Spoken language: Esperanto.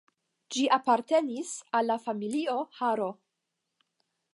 Ĝi apartenis al la familio Haro.